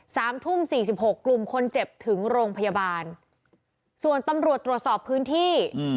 สามทุ่มสี่สิบหกกลุ่มคนเจ็บถึงโรงพยาบาลส่วนตำรวจตรวจสอบพื้นที่อืม